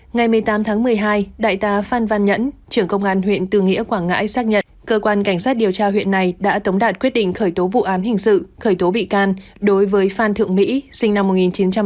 ngày một mươi tám tháng một mươi hai đại tá phan văn nhẫn trưởng công an huyện tư nghĩa quảng ngãi xác nhận cơ quan cảnh sát điều tra huyện này đã tống đạt quyết định khởi tố vụ án hình sự khởi tố bị can đối với phan thượng mỹ sinh năm một nghìn chín trăm tám mươi